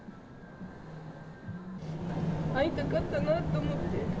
会いたかったなと思って。